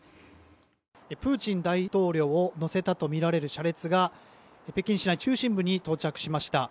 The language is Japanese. プーチン大統領を乗せたとみられる車列が北京市内の中心部に到着しました。